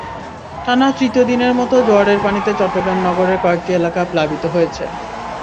টানা তৃতীয় দিনের মতো জোয়ারের পানিতে চট্টগ্রাম নগরের কয়েকটি এলাকা প্লাবিত হয়েছে।